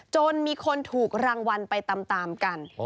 จนมีคนถูกรางวัลไปตามกัน